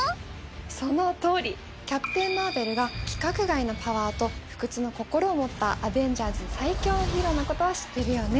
そのとおりキャプテン・マーベルが規格外のパワーと不屈の心を持ったアベンジャーズ最強ヒーローなことは知ってるよね？